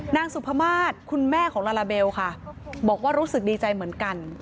นางสุภามาศคุณแม่ของลาลาเบลค่ะบอกว่ารู้สึกดีใจเหมือนกัน